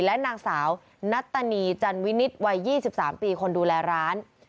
และนางสาวนัตตานีจันวินิตวัย๒๓ปีคนดูแลร้าน